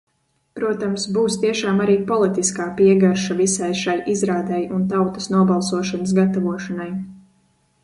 Protams, būs tiešām arī politiskā piegarša visai šai izrādei un tautas nobalsošanas gatavošanai.